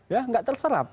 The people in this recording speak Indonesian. ya nggak terserap